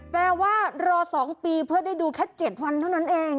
แปลว่ารอ๒ปีเพื่อได้ดูแค่๗วันเท่านั้นเอง